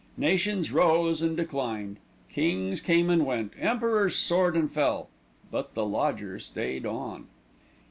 Nations rose and declined, kings came and went, emperors soared and fell; but the lodger stayed on.